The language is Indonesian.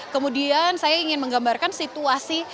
kemudian saya ingin menggambarkan situasi